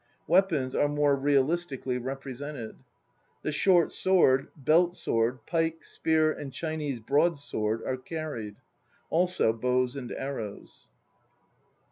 Weapons are more realistically represented. The short sword, belt sword, pike, spear and Chinese broad sword are carried; also bows and arrows.